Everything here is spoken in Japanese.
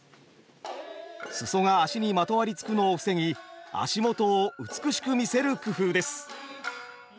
裾が足にまとわりつくのを防ぎ足元を美しく見せる工夫です。